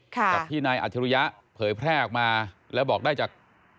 กับที่นายอัจฉริยะเผยแพร่ออกมาแล้วบอกได้จาก